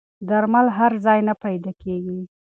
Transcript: درمل هر ځای نه پیدا کېږي.